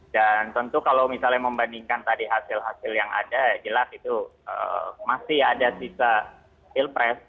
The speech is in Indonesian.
dan tentu kalau misalnya membandingkan tadi hasil hasil yang ada ya jelas itu masih ada sisa pilpres